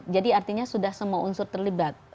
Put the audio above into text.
jadi artinya sudah semua unsur terlibat